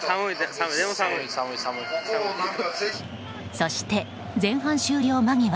そして前半終了間際。